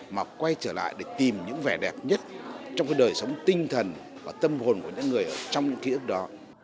mà quay trở lại để tìm những vẻ đẹp nhất trong cái đời sống tinh thần và tâm hồn của những người trong những ký ức đó